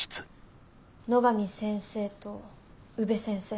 野上先生と宇部先生。